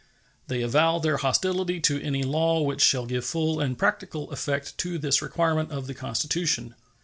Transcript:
They avow their hostility to any law which shall give full and practical effect to this requirement of the Constitution.